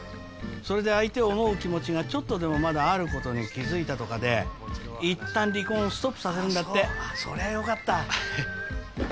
それで相手を思う気持ちがちょっとでもまだあることに気づいたとかで一旦離婚をストップさせるんだってそりゃよかった